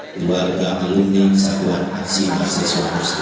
keluarga aluni kesatuan asing asesoran